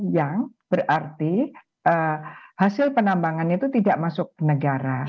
yang berarti hasil penambangan itu tidak masuk negara